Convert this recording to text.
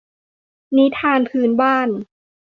นิทานพื้นบ้าน